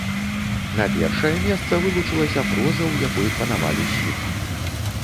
На першае месца вылучылася проза, у якой панавалі сінт.